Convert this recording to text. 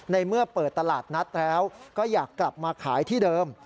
ในเมื่อเปิดตลาดนัดแล้วก็อยากกลับมาขายที่เดิม